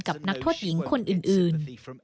นักโทษหญิงคนอื่น